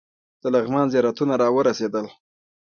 د لغمان زیارتونه راورسېدل.